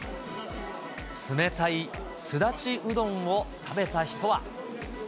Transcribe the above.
冷たいすだちうどんを食べた人は。